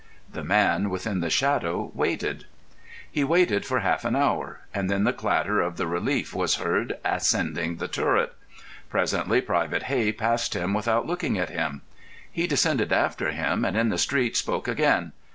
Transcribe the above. The man within the shadow waited. He waited for half an hour, and then the clatter of the relief was heard ascending the turret. Presently Private Hey passed him without looking at him. He descended after him, and in the street spoke again.